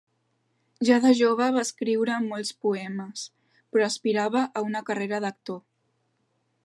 Ja de jove va escriure molts poemes, però aspirava a una carrera d'actor.